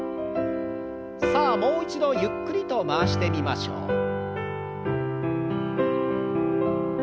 さあもう一度ゆっくりと回してみましょう。